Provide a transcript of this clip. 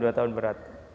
dua tahun berat